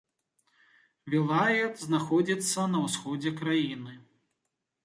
Вілает знаходзіцца на ўсходзе краіны.